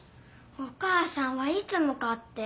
お母さんはいつもかって。